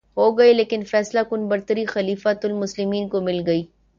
ہوگئے لیکن فیصلہ کن برتری خلیفتہ المسلمین کو مل گئ